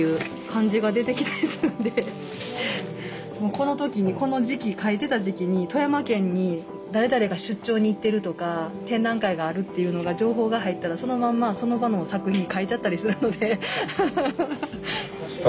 この時にこの時期描いてた時期に富山県に誰々が出張に行ってるとか展覧会があるっていうのが情報が入ったらそのまんまその場の作品に描いちゃったりするので。